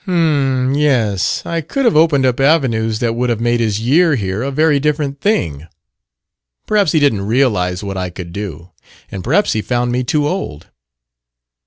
"H'm, yes. I could have opened up avenues that would have made his year here a very different thing. Perhaps he didn't realize what I could do. And perhaps he found me too old."